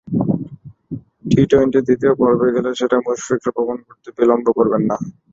টি-টোয়েন্টির দ্বিতীয় পর্বে গেলে সেটা মুশফিকরা প্রমাণ করতে বিলম্ব করবেন না।